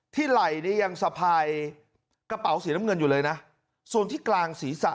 ไหล่นี่ยังสะพายกระเป๋าสีน้ำเงินอยู่เลยนะส่วนที่กลางศีรษะ